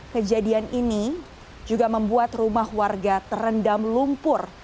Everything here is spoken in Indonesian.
kejadian ini juga membuat rumah warga terendam lumpur